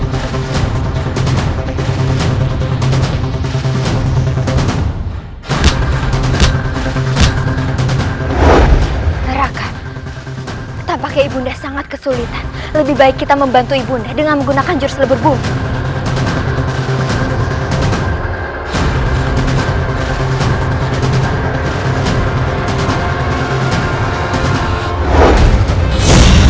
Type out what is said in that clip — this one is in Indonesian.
neraka tampaknya ibunda sangat kesulitan lebih baik kita membantu ibunda dengan menggunakan jurus